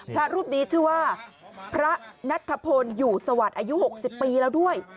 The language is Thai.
พระรูปนี้ชื่อว่าพระนัทธพลอยู่สวัสดิ์อายุ๖๐ปีแล้วด้วย